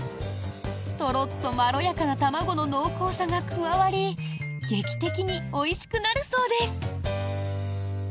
とろっとまろやかな卵の濃厚さが加わり劇的においしくなるそうです。